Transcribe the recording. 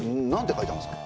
書いてあんすか？